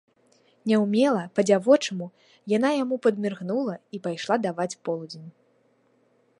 Няўмела, па-дзявочаму, яна яму падміргнула і пайшла даваць полудзень.